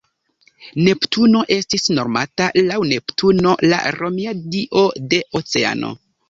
Neptuno estis nomata laŭ Neptuno, la romia dio de oceano.